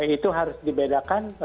itu harus dibedakan